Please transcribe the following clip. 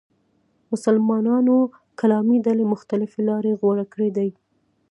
مسلمانانو کلامي ډلې مختلفې لارې غوره کړې دي.